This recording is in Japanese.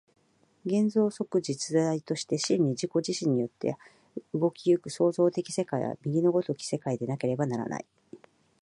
現象即実在として真に自己自身によって動き行く創造的世界は、右の如き世界でなければならない。